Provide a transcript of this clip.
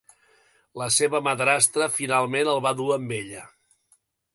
La seva madrastra finalment el va dur amb ella.